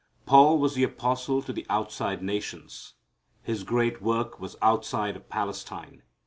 Paul was the apostle to the outside nations. His great work was outside of Palestine.